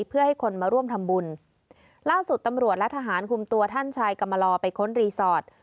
เพื่อให้คนมาร่วมทำบุญล่าสุดตำรวจและทหารคุมตัวท่านชายกรรมลอไปค้นรีสอร์ท